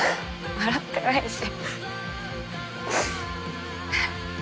笑ってないし。